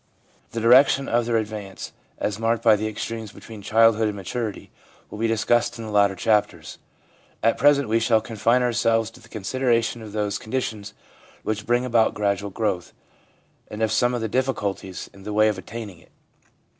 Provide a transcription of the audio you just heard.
The direction of their advance, as marked by the extremes between childhood and maturity, will be discussed in the later chapters. At present we shall confine ourselves to the consideration of those con ditions which bring about gradual growth, and of some of the difficulties in the way of attaining it.